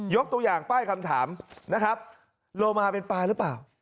ตัวอย่างป้ายคำถามนะครับโลมาเป็นปลาหรือเปล่า